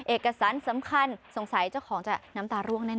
เอกสารสำคัญสงสัยเจ้าของจะน้ำตาร่วงแน่